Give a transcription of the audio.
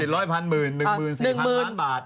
รวย๑๐๐พันหมื่นนึงหมื่น๔พันล้านบาท